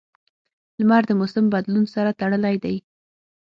• لمر د موسم بدلون سره تړلی دی.